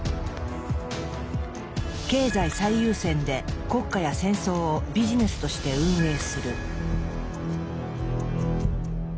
経済最優先で国家や戦争をビジネスとして運営する。